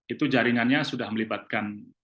itu jaringannya sudah melibatkan